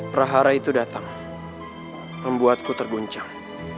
perahara itu datang membuatku terguncang